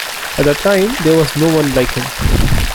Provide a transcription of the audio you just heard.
At the time, there was no one like him.